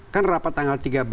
kan rapat tanggal tiga belas